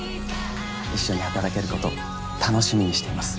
一緒に働けること楽しみにしています。